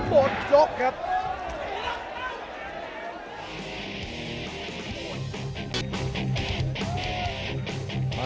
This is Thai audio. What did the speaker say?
หมดยกครับ